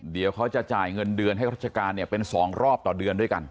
เดี๋ยวเขาจะจ่ายเงินเดือนให้รัชการเนี่ยเป็น๒รอบต่อเดือนด้วยกัน